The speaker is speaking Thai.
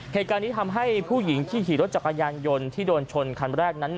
เหตุการณ์นี้ทำให้ผู้หญิงที่ขี่รถจักรยานยนต์ที่โดนชนคันแรกนั้น